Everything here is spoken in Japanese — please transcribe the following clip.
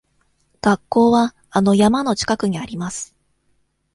学校はあの山の近くにあります。